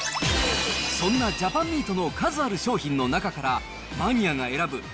そんなジャパンミートの数ある商品の中から、マニアが選ぶ！